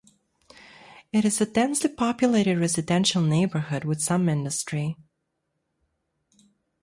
It is a densely populated residential neighbourhood, with some industry.